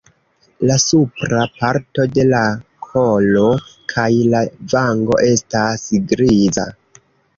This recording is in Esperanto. La supra parto de la kolo kaj la vango estas griza.